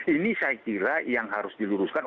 ini saya kira yang harus diluruskan